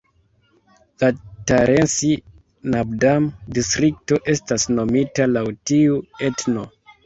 La Talensi-Nabdam-Distrikto estas nomita laŭ tiu etno.